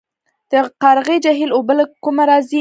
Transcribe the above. د قرغې جهیل اوبه له کومه راځي؟